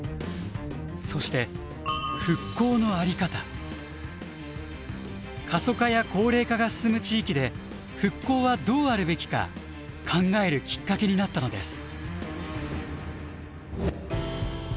そして過疎化や高齢化が進む地域で復興はどうあるべきか考えるきっかけになったのです。